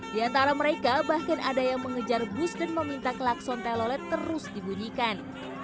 di antara mereka bahkan ada yang mengejar bus dan meminta klakson telolet terus dibunyikan